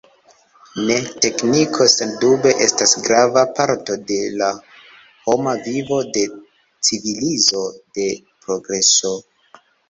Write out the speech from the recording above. Ne, tekniko sendube estas grava parto de l’ homa vivo, de civilizo, de progreso.